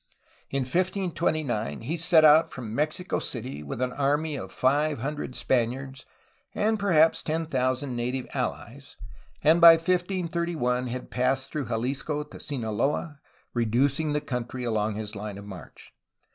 In 1529 he set out from Mexico City with an army of five hundred Spaniards and perhaps ten thousand native allies, and by 1531 had passed through Jalisco to Sinaloa, reducing the country along his line of march.